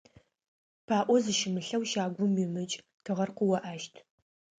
ПаӀо зыщымылъэу щагум уимыкӀ, тыгъэр къыоӀащт.